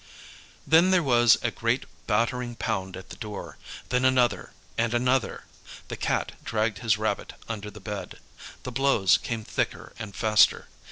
Then there was a great battering pound at the door, then another, and another. The Cat dragged his rabbit under the bed. The blows came thicker and faster.